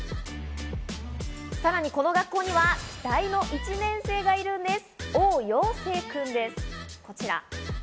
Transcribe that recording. さらにこの学校には期待の１年生がいるんです。